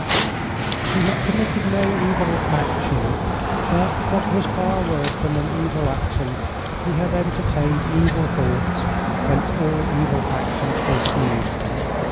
He had committed no evil action, but, what was far worse than an evil action, he had entertained evil thoughts whence all evil actions proceed.